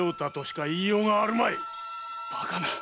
バカな！